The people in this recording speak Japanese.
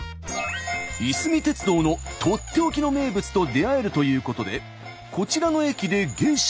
いすみ鉄道のとっておきの名物と出会えるということでこちらの駅で下車。